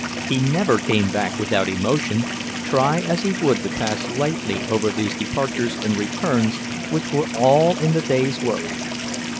He never came back without emotion, try as he would to pass lightly over these departures and returns which were all in the day's work.